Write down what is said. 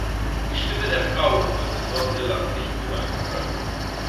Die Stimme der Frauen wird in Nordirland nicht immer gehört.